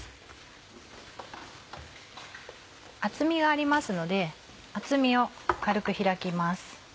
厚みがありますので厚みを軽く開きます。